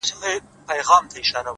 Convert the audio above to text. تا پاکه كړې ده” له هر رنگه غبار کوڅه”